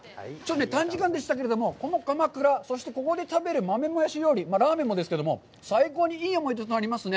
短時間でしたけれども、このかまくら、そしてここで食べる豆もやし料理、ラーメンもですけれども、最高にいい思い出となりますね。